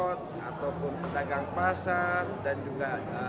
seperti kusir delman tukang ojek pedagang pasar sopir angkot dan juru parkir pada selasa sore